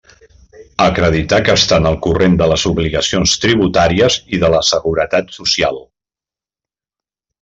Acreditar que estan al corrent de les obligacions tributàries i de la Seguretat Social.